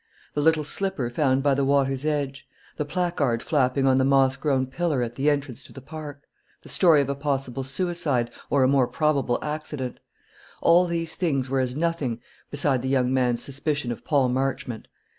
The little slipper found by the water's edge; the placard flapping on the moss grown pillar at the entrance to the park; the story of a possible suicide, or a more probable accident; all these things were as nothing beside the young man's suspicion of Paul Marchmont.